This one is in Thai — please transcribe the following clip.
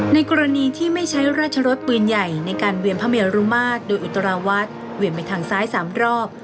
ในกรณีที่ไม่ใช้ราชรสปืนใหญ่ในการเวียนพระเมรุมาตรโดยอุตราวัดเวียนไปทางซ้าย๓รอบ